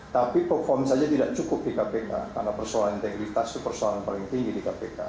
tapi perform saja tidak cukup di kpk karena persoalan integritas itu persoalan paling tinggi di kpk